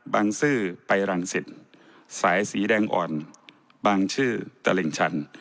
ซื้อไปรังสิตสายสีแดงอ่อนบางชื่อตลิ่งชัน